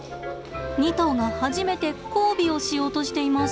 ２頭が初めて交尾をしようとしています。